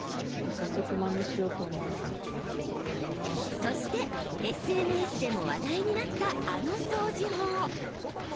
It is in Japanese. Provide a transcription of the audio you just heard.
そして、ＳＮＳでも話題になったあの掃除法。